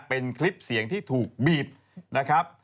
เป็นคลิปเสียงที่ถูกบีบนะครับ